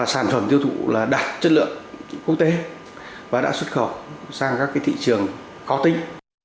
sản phẩm tiêu thụ là đạt chất lượng quốc tế và đã xuất khẩu sang các thị trường có tính